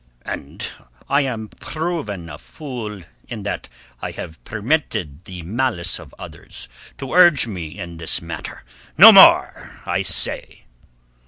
"And I am proven a fool in that I have permitted the malice of others to urge me in this matter. No more, I say."